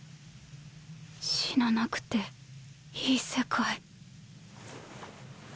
死ななくていい世界。